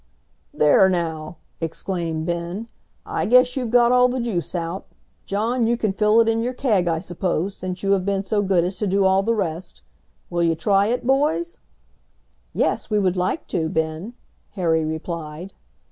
"There now!" exclaimed Ben; "I guess you've got all the juice out. John, you can fill it in your keg, I suppose, since you have been so good as to do all the rest. Will you try it, boys?" "Yes, we would like to, Ben," Harry replied.